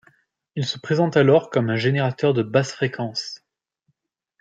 Il se présente alors comme un générateur de basses fréquences.